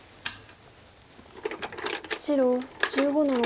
白１５の六。